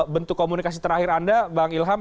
bentuk komunikasi terakhir anda bang ilham